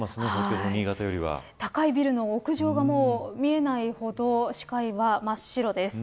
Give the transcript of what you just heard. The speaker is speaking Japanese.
高いビルの屋上が見えないほど視界が真っ白です。